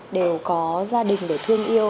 đều có gia đình để thương yêu